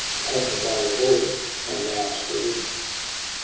Upon the bowl of oil ran round the rim.